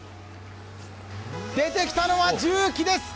出てきたのは重機です。